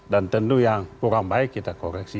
dan tentu yang kurang baik kita koreksi